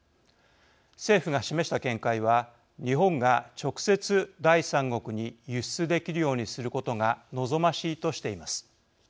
政府が示した見解は日本が直接第三国に輸出できるようにすることが望ましいとしています。